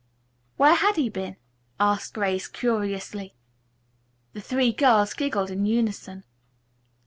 "Where had he been?" asked Grace curiously. The three girls giggled in unison.